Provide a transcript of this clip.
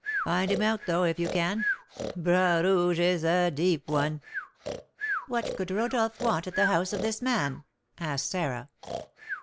Find him out, though, if you can; Bras Rouge is a deep one." "What could Rodolph want at the house of this man?" asked Sarah.